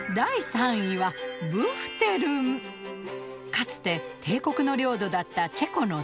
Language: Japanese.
かつて帝国の領土だったチェコの西部